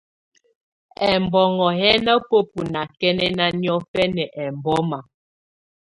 Ɛbɔnɔ̀ yɛ̀ nà bǝ́bu nakɛnɛna niɔ̀fɛna ɛmbɔma.